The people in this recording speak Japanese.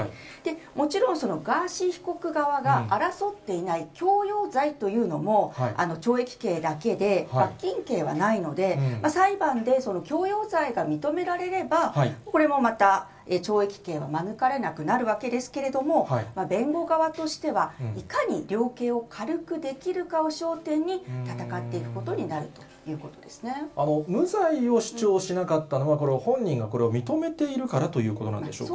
もちろんそのガーシー被告側が争っていない強要罪というのも、懲役刑だけで、罰金刑はないので、裁判で強要罪が認められれば、これもまた懲役刑は免れなくなるわけですけれども、弁護側としては、いかに量刑を軽くできるかを焦点に戦っていくことになるというこ無罪を主張しなかったのは、これは本人がこれを認めているからということなんでしょうか。